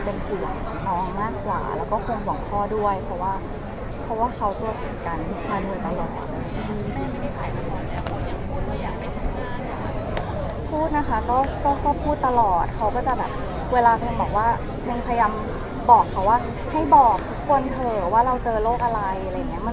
เพิ่งพยายามบอกแต่ว่าทุกคนเธอจะเติมโรคอะไร